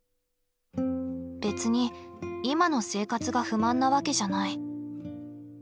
別に今の生活が不満なわけじゃない。